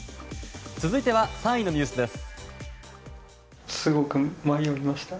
続いては、３位のニュースです。